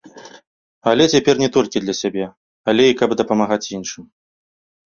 Але цяпер не толькі для сябе, але і каб дапамагаць іншым.